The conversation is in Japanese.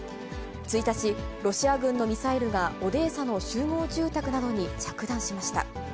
１日、ロシア軍のミサイルがオデーサの集合住宅などに着弾しました。